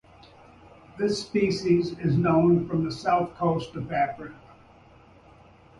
This species is known from the south coast of South Africa.